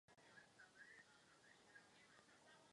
Most odděloval muslimskou část města od chorvatské.